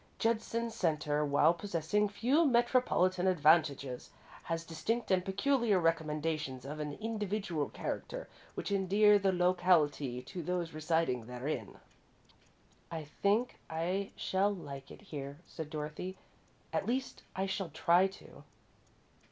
Judson Centre, while possessing few metropolitan advantages, has distinct and peculiar recommendations of an individual character which endear the locality to those residing therein." "I think I shall like it here," said Dorothy. "At least I shall try to."